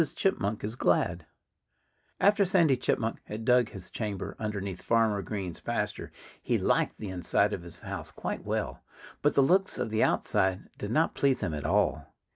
CHIPMUNK IS GLAD After Sandy Chipmunk had dug his chamber underneath Farmer Green's pasture, he liked the inside of his house quite well. But the looks of the outside did not please him at all.